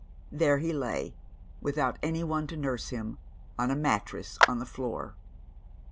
There he lay, without anyone to nurse him, on a mattress on the floor.